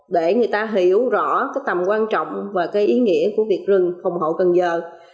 để người ta hiểu rõ tầm quan trọng và ý nghĩa của việc rừng phòng hộ cần giờ